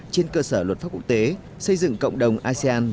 trên cơ sở luật pháp quốc tế xây dựng cộng đồng asean